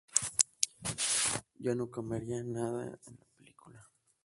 Yo no cambiaría nada en la película.